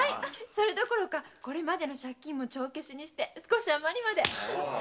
そのうえこれまでの借金も帳消しにして少し余りまで。